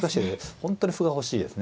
本当に歩が欲しいですね。